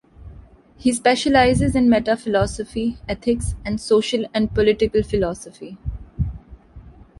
He specializes in metaphilosophy, ethics, and social and political philosophy.